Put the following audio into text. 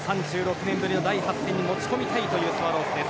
３６年ぶりの第８戦へ持ち込みたいというスワローズ。